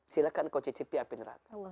silahkan engkau cicipi api nerata